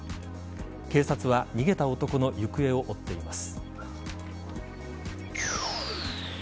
警察は逃げた男の行方を追っています。